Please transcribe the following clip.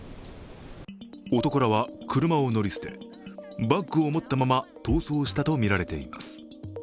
男らは車を乗り捨てバッグを持ったまま逃走したとみられています。